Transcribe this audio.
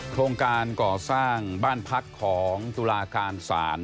โครงการก่อสร้างบ้านพักของตุลาการศาล